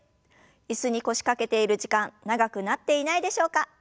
椅子に腰掛けている時間長くなっていないでしょうか？